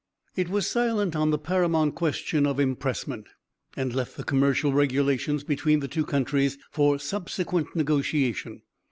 It was silent on the paramount question of impressment, and left the commercial regulations between the two countries for subsequent negotiation.